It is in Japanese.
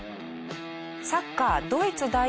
サッカードイツ代表